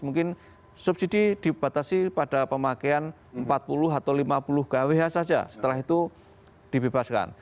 mungkin subsidi dibatasi pada pemakaian empat puluh atau lima puluh kwh saja setelah itu dibebaskan